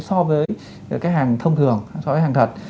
so với cái hàng thông thường so với hàng thật